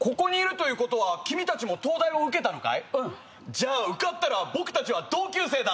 じゃあ受かったら僕たちは同級生だ！